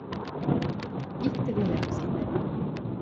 Иктӹ веле ак ситӹ...